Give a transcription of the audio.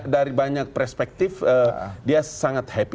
dari banyak perspektif dia sangat happy